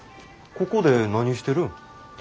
ここで何してるん？